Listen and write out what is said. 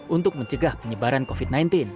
untuk mencegah penyebaran covid sembilan belas